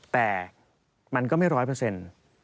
แต่มันก็ไม่ร้อยเปอร์เซ็นต์